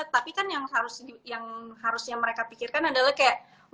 tapi kan yang harusnya mereka pikirkan adalah kayak